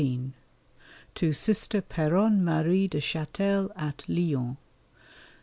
_To Sister Péronne Marie de Châtel at Lyons.